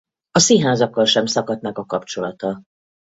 A színházakkal sem szakadt meg a kapcsolata.